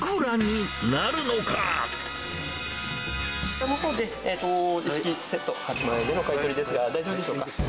一式セット、８万円でのお買い取りですが、大丈夫でしょうか。